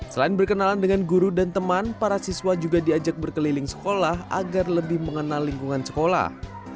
selain berkenalan dengan guru dan teman para siswa juga diajak berkeliling sekolah agar lebih mengenal lingkungan sekolah